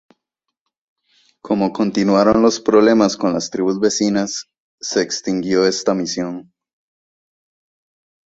Como continuaron los problemas con las tribus vecinas, se extinguió esta misión.